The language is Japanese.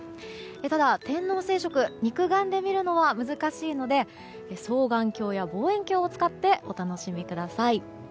ただ、天王星食肉眼で見るのは難しいので双眼鏡や望遠鏡を使ってお楽しみください。